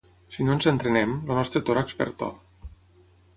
Si no ens entrenem, el nostre tòrax perd to.